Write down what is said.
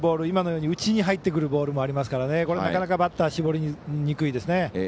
今のように内に入ってくるボールもありますからこれ、なかなかバッター絞りにくいですね。